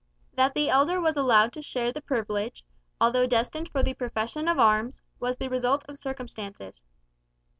That the elder was allowed to share the privilege, although destined for the profession of arms, was the result of circumstances.